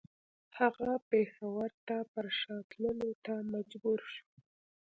هغه پېښور ته پر شا تللو ته مجبور شو.